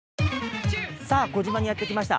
さあ児島にやって来ました。